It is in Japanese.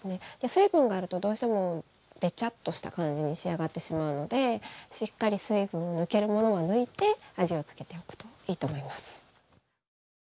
水分があるとどうしてもベチャッとした感じに仕上がってしまうのでしっかり水分抜けるものは抜いて味を付けておくといいと思います。